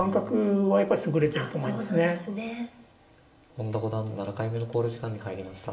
本田五段７回目の考慮時間に入りました。